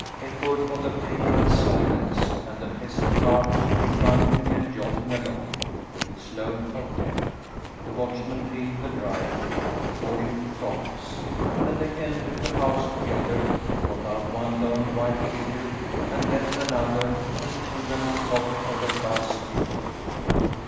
echoed on the pale night's silence; and the pest cart came rumbling and jolting along with its load of death. The watchman hailed the driver, according to promise, and they entered the house together, brought out one long, white figure, and then another, and threw them on top of the ghastly heap.